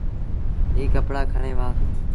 اي ڪپڙآ کڻي وهآ۔